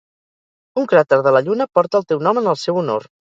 Un cràter de la Lluna porta el teu nom en el seu honor.